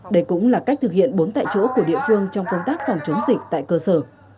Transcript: đây cũng là cách thực hiện bốn tại chỗ của địa phương trong công tác phòng chống dịch tại cơ sở